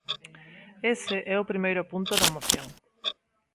Ese é o primeiro punto da moción.